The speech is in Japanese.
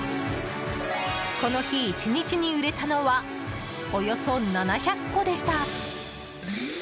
この日、１日に売れたのはおよそ７００個でした。